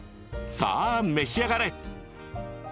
さあ召し上がれ。